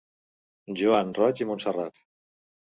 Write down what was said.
Joan Roig i Montserrat.